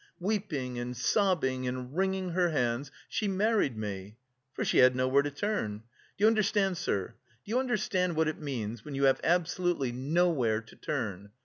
Weeping and sobbing and wringing her hands, she married me! For she had nowhere to turn! Do you understand, sir, do you understand what it means when you have absolutely nowhere to turn?